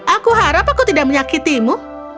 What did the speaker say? aku harap aku tidak menyakitimu